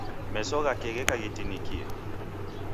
Meso ghake gheka ghitinikie